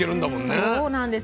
そうなんです。